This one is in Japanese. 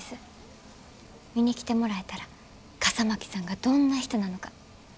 見に来てもらえたら笠巻さんがどんな人なのか伝わると思います。